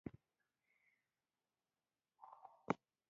د پکتیا جلغوزي چیرته صادریږي؟